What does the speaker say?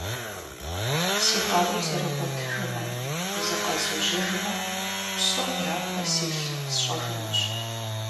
Си къару зэрыгъуэтыжмэ, зыкъэзужьыжмэ, псом япэ силъ сщӀэжынущ.